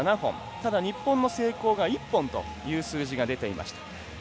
ただ、日本の成功が１本という数字が出ていました。